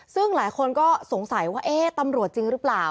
ซึ่งหลายคนก็สงสัยว่าเอ๊ะตำรวจจริงหรือเปล่า